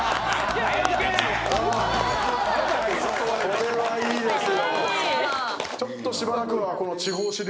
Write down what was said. これはいいですてよ。